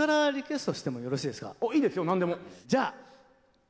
いいですよ何でも。